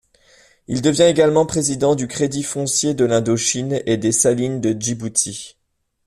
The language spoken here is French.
Il devient également président du Crédit foncier de l'Indochine et des Salines de Djibouti.